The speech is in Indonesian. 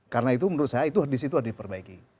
karena itu menurut saya disitu harus diperbaiki